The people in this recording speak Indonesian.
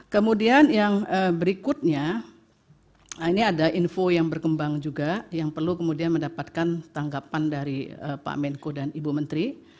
kemudian yang berikutnya ini ada info yang berkembang juga yang perlu kemudian mendapatkan tanggapan dari pak menko dan ibu menteri